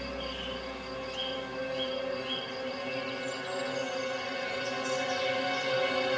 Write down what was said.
dan tidur sangat sangat sangat nyenyak